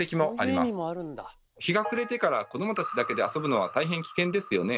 日が暮れてから子どもたちだけで遊ぶのは大変危険ですよね。